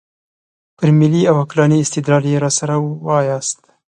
پر ملي او عقلاني استدلال یې راسره وایاست.